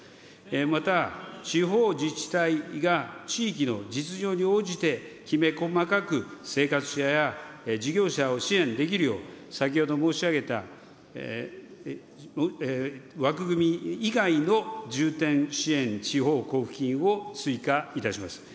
また地方自治体が地域の実情に応じてきめ細かく生活者や事業者を支援できるよう、先ほど申し上げた、枠組み以外の重点支援地方交付金を追加いたします。